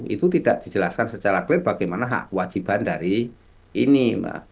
itu tidak dijelaskan secara clear bagaimana hak kewajiban dari ini